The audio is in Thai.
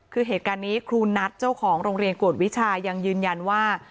คือเหตุการณ์นี้ครูนัทเจ้าของโรงเรียนกวดวิชายังยืนยันว่า